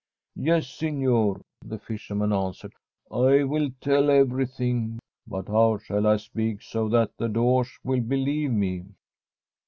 ' Yes, signor,' the fisherman answered, ' I will tell everything. But how shall I speak so that the Doge will believe me